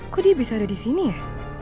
kok dia bisa ada disini ya